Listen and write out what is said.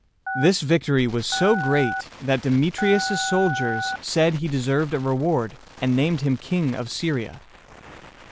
This victory was so great, that Demetrius' soldiers said he deserved a reward, and named him King of Syria.